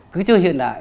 cứ chơi hiện đại